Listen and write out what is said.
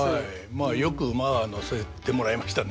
まあよく馬は乗せてもらいましたね。